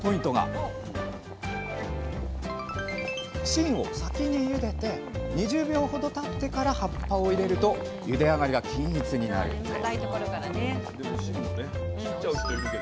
芯を先にゆでて２０秒ほどたってから葉っぱを入れるとゆであがりが均一になるんです